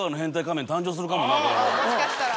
もしかしたら。